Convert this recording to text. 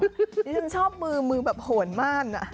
ดิฉันชอบมือมือแบบหัวมากนี่